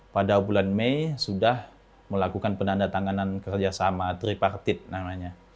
pada bulan mei sudah melakukan penandatangan kerjasama tripartit namanya